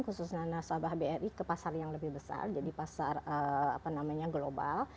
khususnya nasabah bri ke pasar yang lebih besar jadi pasar global